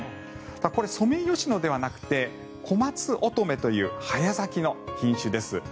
これはソメイヨシノではなくてコマツオトメという早咲きの品種です。